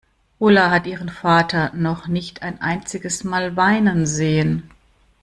Ulla hat ihren Vater noch nicht ein einziges Mal weinen sehen.